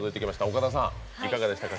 岡田さん、いかがでしたか。